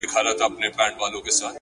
د سکريټو آخيري قطۍ ده پاته؛